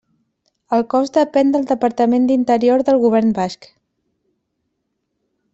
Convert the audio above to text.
El cos depèn del Departament d'Interior del Govern Basc.